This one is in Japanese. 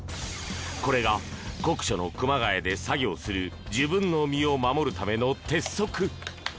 これが酷暑の熊谷で作業する自分の身を守るための鉄則。